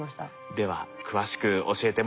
では詳しく教えてもらいましょう。